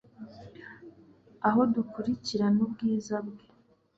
aho dukurikirana ubwiza bwe